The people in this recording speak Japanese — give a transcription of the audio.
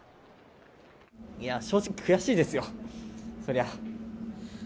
いや、正直悔しいですよ、そりゃ。